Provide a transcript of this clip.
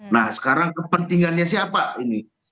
nah sekarang kepentingannya siapa ini